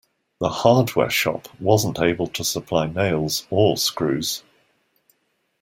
The hardware shop wasn't able to supply nails or screws.